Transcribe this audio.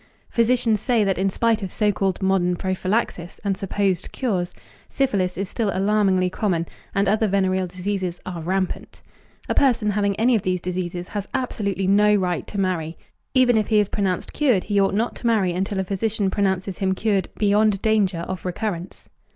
Physicians say that in spite of so called modern prophylaxis and supposed cures, syphilis is still alarmingly common, and other venereal diseases are rampant. A person having any of these diseases has absolutely no right to marry. Even if he is pronounced cured, he ought not to marry until a physician pronounces him cured beyond danger of recurrence.